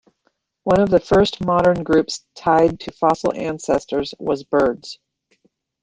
One of the first modern groups tied to fossil ancestors was birds.